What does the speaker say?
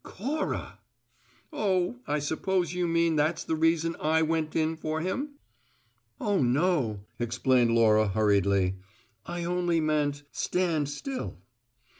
"Cora!" "Oh, I suppose you mean that's the reason I went in for him?" "No, no," explained Laura hurriedly. "I only meant, stand still."